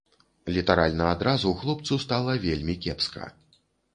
Літаральна адразу хлопцу стала вельмі кепска.